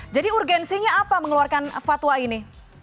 jadi urgensinya apa mengeluarkan fatwa ini